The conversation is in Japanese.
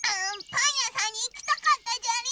パンやさんにいきたかったじゃり！